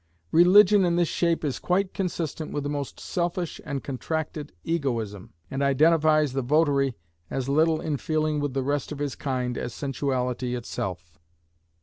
Religion in this shape is quite consistent with the most selfish and contracted egoism, and identifies the votary as little in feeling with the rest of his kind as sensuality itself.